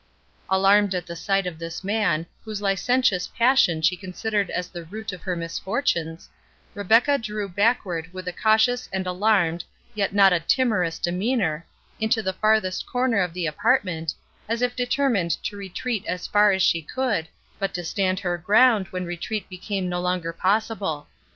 Alarmed at the sight of this man, whose licentious passion she considered as the root of her misfortunes, Rebecca drew backward with a cautious and alarmed, yet not a timorous demeanour, into the farthest corner of the apartment, as if determined to retreat as far as she could, but to stand her ground when retreat became no longer possible.